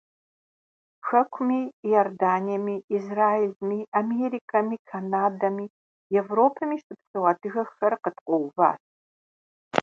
Хэкуми, Иорданиеми, Израилми, Америкэми, Канадэми, Европэми щыпсэу адыгэхэр къыткъуэуващ.